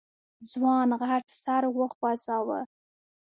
ځوان غټ سر وخوځوه.